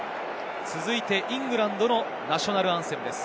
続いてイングランドのナショナルアンセムです。